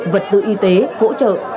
vật tư y tế hỗ trợ